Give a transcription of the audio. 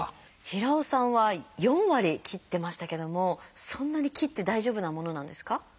平尾さんは４割切ってましたけどもそんなに切って大丈夫なものなんですか？